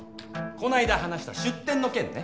この間話した出店の件ね。